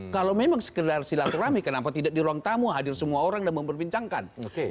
kalau memang sekedar silaturahmi kenapa tidak di ruang tamu hadir semua orang dan memperbincangkan